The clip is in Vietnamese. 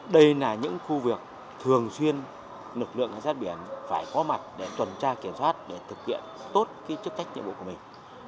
đây là những khu vực thường xuyên lực lượng cảnh sát biển phải có mặt để tuần tra kiểm soát để thực hiện tốt chức trách nhiệm vụ của mình